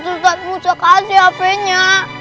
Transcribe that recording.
ustadz musa kasih hpnya